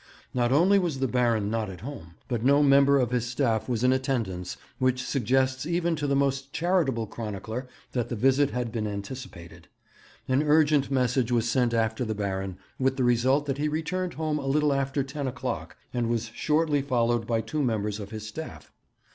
Not only was the Baron not at home, but no member of his staff was in attendance, which suggests even to the most charitable chronicler that the visit had been anticipated. An urgent message was sent after the Baron, with the result that he returned home a little after ten o'clock, and was shortly followed by two members of his staff.